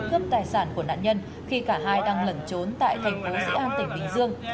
cướp tài sản của nạn nhân khi cả hai đang lẩn trốn tại thành phố dĩ an tỉnh bình dương